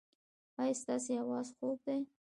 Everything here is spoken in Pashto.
ایا ستاسو اواز خوږ دی؟